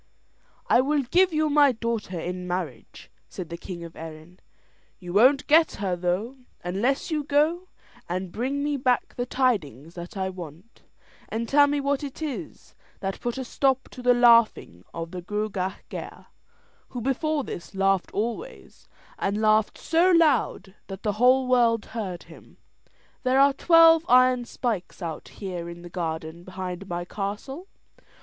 "I will give you my daughter in marriage," said the king of Erin; "you won't get her, though, unless you go and bring me back the tidings that I want, and tell me what it is that put a stop to the laughing of the Gruagach Gaire, who before this laughed always, and laughed so loud that the whole world heard him. There are twelve iron spikes out here in the garden behind my castle.